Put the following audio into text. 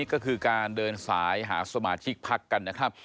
ก็คือการเดินสายหาสมาชิกพักกันนะครับ